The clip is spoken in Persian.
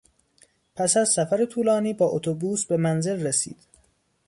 پس از سفر طولانی با اتوبوس به منزل رسید.